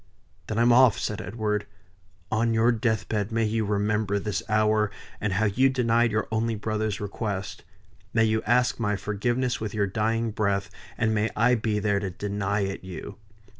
"Then I'm off!" said Edward. "On your deathbed may you remember this hour, and how you denied your only brother's request. May you ask my forgiveness with your dying breath, and may I be there to deny it you."